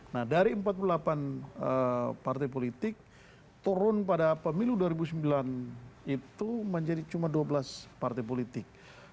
nah dari empat puluh delapan partai politik turun pada pemilu dua ribu sembilan itu menjadi cuma dua belas partai politik